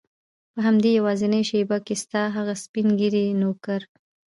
په همدې یوازینۍ شېبه کې ستا هغه سپین ږیری نوکر.